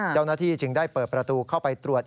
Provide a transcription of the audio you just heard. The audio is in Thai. เจ้าหน้าที่จึงได้เปิดประตูเข้าไปตรวจ